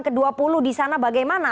ke dua puluh di sana bagaimana